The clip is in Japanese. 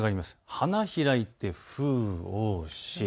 花開いて風雨多し。